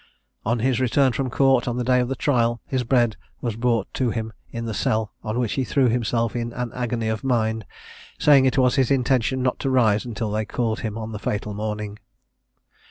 On his return from court, on the day of trial, his bed was brought to him in the cell, on which he threw himself in an agony of mind, saying it was his intention not to rise until they called him on the fatal morning.